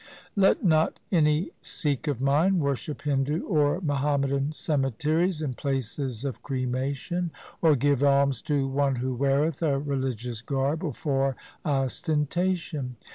' Let not any Sikh of mine worship Hindu or Muhammadan cemeteries and places of cremation, or give alms to one who weareth a religious garb for ostentation.